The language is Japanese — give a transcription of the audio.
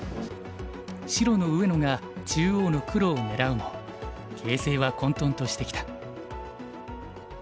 白の上野が中央の黒を狙うも形勢は混とんとしてきた。